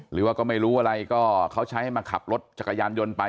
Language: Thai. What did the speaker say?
หรือว่าก็ไม่รู้อะไรก็เขาใช้ให้มาขับรถจักรยานยนต์ไป